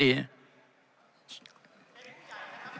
เชิญครับ